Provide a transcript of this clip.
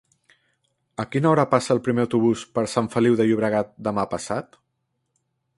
A quina hora passa el primer autobús per Sant Feliu de Llobregat demà passat?